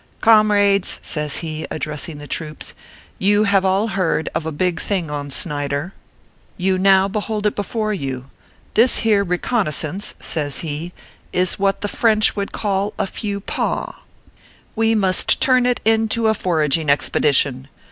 " Comrades," says he, addressing the troops, "you have all heard of a big thing on Snyder. You now behold it before you. This here reconnoissance," says he, " is what the French would call & few paw. We must turn it into a foraging expedition.